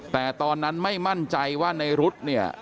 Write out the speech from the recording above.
แต่ตอนนั้นไม่มั่นใจว่าในรุ๊ดเนี่ย